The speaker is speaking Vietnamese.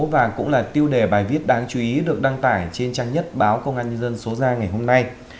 và cũng là tiêu đề bài viết đáng chú ý được đăng tải trên trang nhất báo công an nhân dân số ra ngày hôm nay